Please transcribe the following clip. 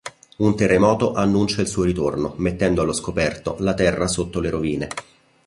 Un terremoto annuncia il suo ritorno, mettendo allo scoperto la terra sotto le rovine.